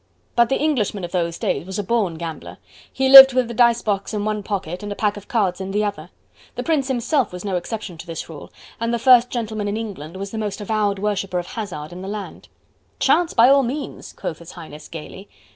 But the Englishman of those days was a born gambler. He lived with the dice box in one pocket and a pack of cards in the other. The Prince himself was no exception to this rule, and the first gentleman in England was the most avowed worshipper of Hazard in the land. "Chance, by all means," quoth His Highness gaily.